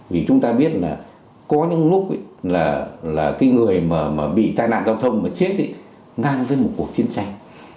vì chúng ta biết là có những lúc là cái người mà bị tai nạn giao thông mà chết ngang với một cuộc chiến tranh